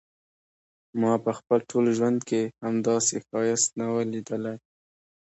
ما په خپل ټول ژوند کې همداسي ښایست نه و ليدلی.